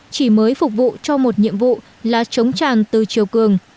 chỉ mới phục vụ cho một nhiệm vụ là chống tràn từ chiều cường